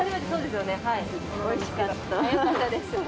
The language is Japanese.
よかったです。